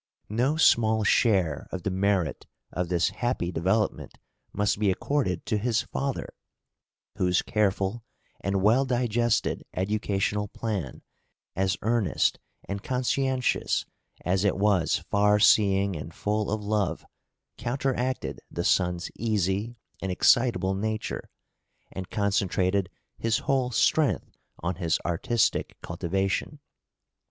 No small share of the merit of this happy development {EARLY MANHOOD.} (328) must be accorded to his father, whose careful and well digested educational plan, as earnest and conscientious as it was far seeing and full of love, counteracted the son's easy and excitable nature, and concentrated his whole strength on his artistic cultivation.